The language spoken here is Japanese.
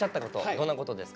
どんなことですか？